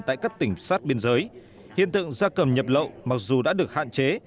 tại các tỉnh sát biên giới hiện tượng gia cầm nhập lậu mặc dù đã được hạn chế